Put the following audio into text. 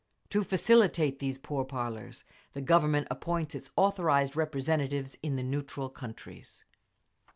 To facilitate these pourparlers, the Government appoints its authorised representatives in the neutral countries.